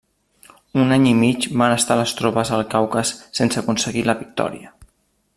Un any i mig van estar les tropes al Caucas sense aconseguir la victòria.